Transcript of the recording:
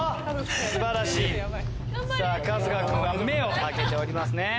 素晴らしい春日君が目を開けておりますね。